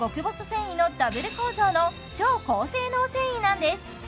繊維のダブル構造の超高性能繊維なんです